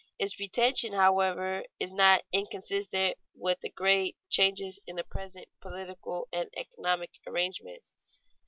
Its retention, however, is not inconsistent with very great changes in the present political and economic arrangements.